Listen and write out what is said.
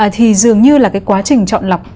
thì dường như là cái quá trình chọn lọc